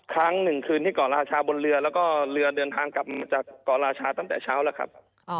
ครั้งหนึ่งคืนที่เกาะราชาบนเรือแล้วก็เรือเดินทางกลับมาจากเกาะราชาตั้งแต่เช้าแล้วครับ